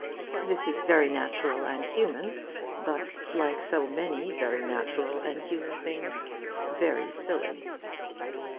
This is very natural and human, but, like so many very natural and human things, very silly.